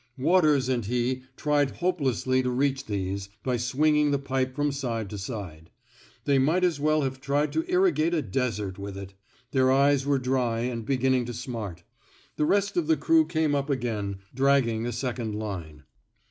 Waters and he tried hopelessly to reach these, by swinging the pipe from side to side. They might as well have tried to irrigate a desert with it. Their eyes were dry and beginning to smart. The rest of the crew came up again, drag ging a second line.